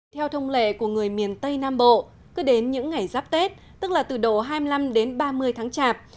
theo thông lệ của người miền tây nam bộ cứ đến những ngày giáp tết tức là từ độ hai mươi năm đến ba mươi tháng chạp